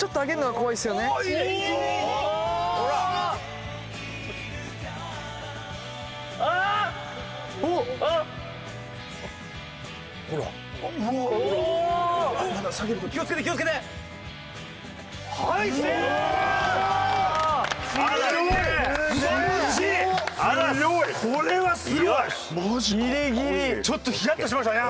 ちょっとヒヤッとしましたね。